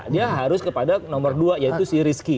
dia harus kepada nomor dua yaitu si rizky